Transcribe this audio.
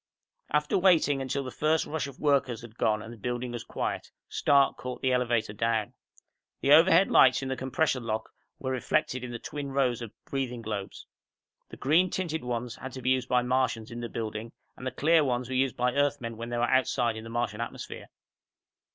After waiting until the first rush of workers had gone and the building was quiet, Stark caught the elevator down. The overhead lights in the compressor lock were reflected in the twin rows of breathing globes. The green tinted ones had to be used by Martians in the building, and the clear ones were used by Earthmen when they were outside in the Martian atmosphere.